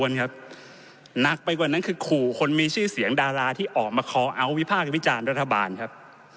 หนักไปกว่านั้นคือขู่คนมีชื่อเสียงดาราที่ออกมาคอเอาท์วิพากษ์วิจารณ์รัฐบาลครับ